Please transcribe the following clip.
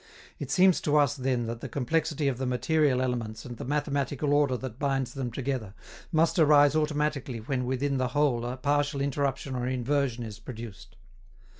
It seems to us, then, that the complexity of the material elements and the mathematical order that binds them together must arise automatically when within the whole a partial interruption or inversion is produced.